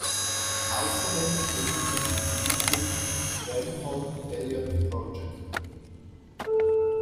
Außerdem gründete sie die Stiftung „Denholm Elliott Project“.